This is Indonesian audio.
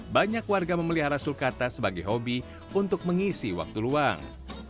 banyak warga memelihara sulkata sebagai hobi untuk mengisi waktu luang